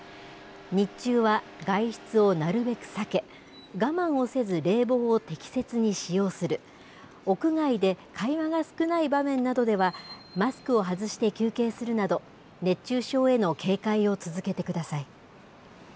日中は外出をなるべく避け、我慢をせず冷房を適切に使用する、屋外で会話が少ない場面などでは、マスクを外して休憩するなど、熱中症への警戒を続けてください。